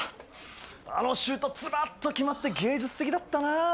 あのシュートズバッと決まって芸術的だったなあ。